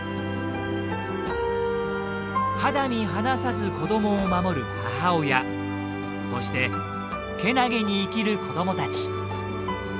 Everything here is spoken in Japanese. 肌身離さず子どもを守る母親そしてけなげに生きる子どもたち。